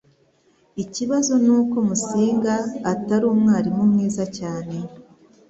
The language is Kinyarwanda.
Ikibazo nuko Musinga atari umwarimu mwiza cyane